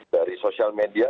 dari sosial media